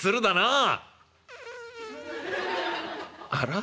「あら？